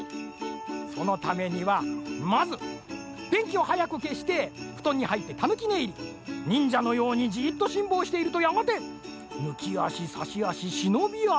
そのためにはまずでんきをはやくけしてふとんにはいってたぬきねいり。にんじゃのようにじっとしんぼうしているとやがてぬきあしさしあししのびあし。